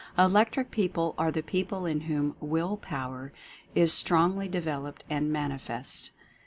"Elec tric" people are the people in whom Will Power is strongly developed and manifest.